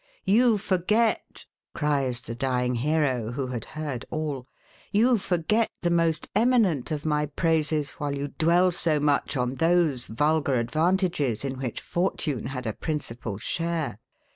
YOU FORGET, cries the dying hero, who had heard all, YOU FORGET THE MOST EMINENT OF MY PRAISES, WHILE YOU DWELL SO MUCH ON THOSE VULGAR ADVANTAGES, IN WHICH FORTUNE HAD A PRINCIPAL SHARE.